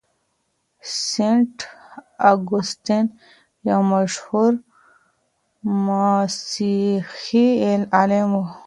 سينټ اګوستين يو مشهور مسيحي عالم و.